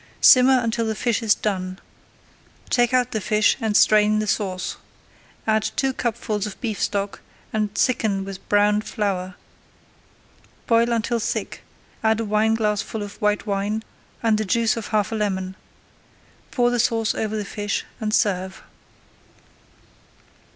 Simmer until the fish is done. Take out the fish and strain the sauce. Add two cupfuls of beef stock and thicken with browned flour. Boil until thick, add a wineglassful of white wine and the juice of half a lemon. Pour the sauce over the fish and serve.